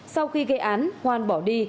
sau khi gây án hoan bỏ đi